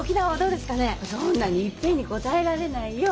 そんなにいっぺんに答えられないよ。